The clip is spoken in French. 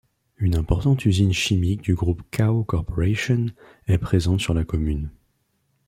Une importante usine chimique du groupe Kao Corporation est présente sur la commune.